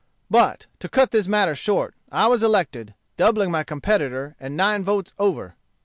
But to cut this matter short, I was elected, doubling my competitor, and nine votes over.